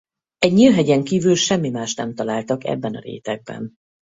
Egy nyílhegyen kívül semmi mást nem találtak ebben a rétegben.